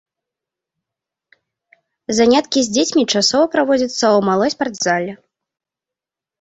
Заняткі з дзецьмі часова праводзяцца ў малой спартзале.